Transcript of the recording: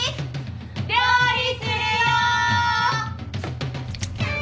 料理するよ！